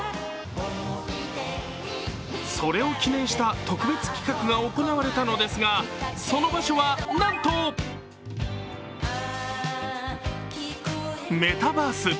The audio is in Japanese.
それを記念した特別企画が行われたのですがその場所はなんとメタバース。